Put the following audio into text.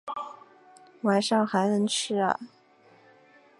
晚上还能吃啊